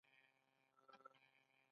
هوښیار د خبرو وخت پېژني